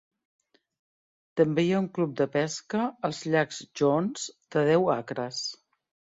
També hi ha un club de pesca als llacs Jones de deu acres.